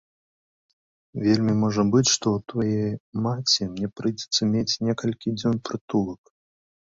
Вельмі можа быць, што ў твае маці мне прыйдзецца мець некалькі дзён прытулак.